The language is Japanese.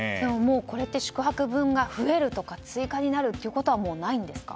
これってもう宿泊分が増えるとか追加になるということはもうないんですか？